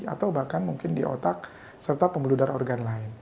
atau bahkan mungkin di otak serta pembuluh darah organ lain